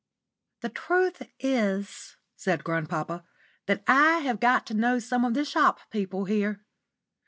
*_*"* "The truth is," said grandpapa, "that I have got to know some of the shop people here.